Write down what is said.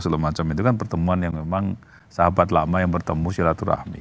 segala macam itu kan pertemuan yang memang sahabat lama yang bertemu silaturahmi